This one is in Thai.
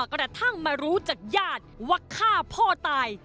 กระทั่งมารู้จากญาติว่าฆ่าพ่อตาย